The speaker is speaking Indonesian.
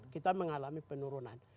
kita mengalami penurunan